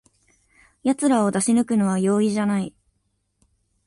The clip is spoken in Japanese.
やつらを出し抜くのは容易じゃない